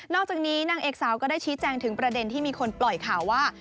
อกจากนี้นางเอกสาวก็ได้ชี้แจงถึงประเด็นที่มีคนปล่อยข่าวว่า